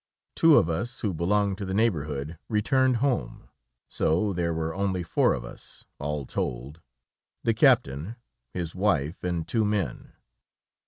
Two of us, who belonged to the neighborhood, returned home, so there were only four of us, all told; the captain, his wife, and two men.